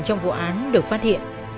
trong vụ án được phát hiện